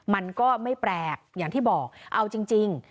มันก็ไม่แปลกอย่างที่บอกเอาจริง